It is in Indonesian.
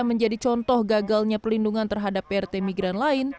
menjadi contoh gagalnya perlindungan terhadap prt migran lain